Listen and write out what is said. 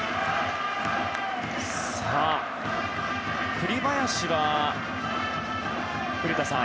栗林は、古田さん